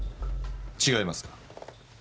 違いますか？